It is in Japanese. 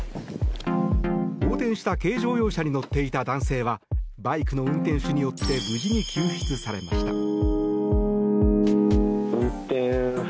横転した軽乗用車に乗っていた男性はバイクの運転手によって無事に救出されました。